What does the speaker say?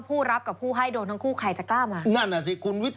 ทุกคนโตไม่ได้